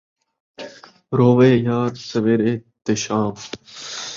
رووے یار سویر تے شام